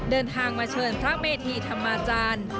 เดินทางมาเชิญพระเมธีธรรมาจารย์